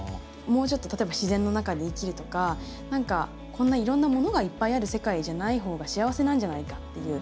もうちょっと例えば自然の中で生きるとか何かこんないろんなものがいっぱいある世界じゃないほうが幸せなんじゃないかっていう。